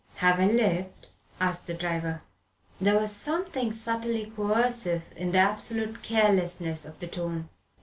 "Have a lift?" asked the driver. There was something subtly coercive in the absolute carelessness of the tone.